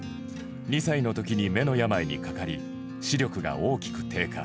２歳のときに目の病にかかり視力が大きく低下。